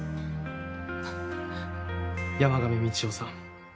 山上美智男さん。